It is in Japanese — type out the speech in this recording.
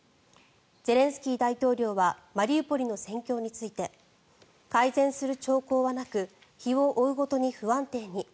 ゼレンスキー大統領はマリウポリの戦況について改善する兆候はなく日を追うごとに不安定に。